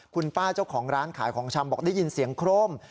คุณป้าเจ้าของร้านขายของชำบอกได้ยินเสียงโคร่ม